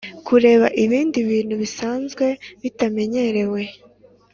kurema ibindi bintu bisanzwe bitamenyerewe